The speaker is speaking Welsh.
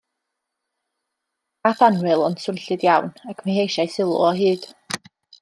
Mae'n gath annwyl ond swnllyd iawn, ac mae hi eisiau sylw o hyd.